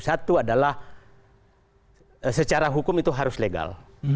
satu adalah secara hukum itu harus legal